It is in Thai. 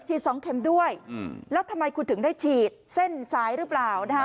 สองเข็มด้วยแล้วทำไมคุณถึงได้ฉีดเส้นสายหรือเปล่านะฮะ